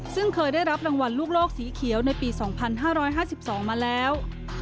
ซึ่งเคยได้รับรางวัลลูกโลกสีเขียวในปี๒๕๕๒มาแล้ว